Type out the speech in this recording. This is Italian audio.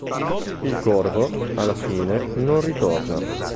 Il corvo, alla fine, non ritorna.